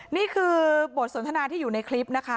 นี่คือบทสนทนาที่อยู่ในคลิปนะคะ